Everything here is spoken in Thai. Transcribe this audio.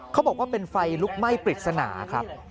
เขาบอกว่าเป็นไฟลุกไหม้ปริศนาครับ